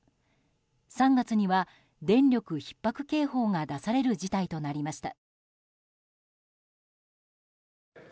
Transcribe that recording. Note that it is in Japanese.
３月には電力ひっ迫警報が出される事態となりました。